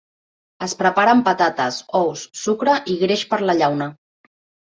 Es prepara amb patates, ous, sucre i greix per la llauna.